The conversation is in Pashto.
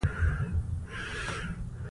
باران د افغانستان د زرغونتیا نښه ده.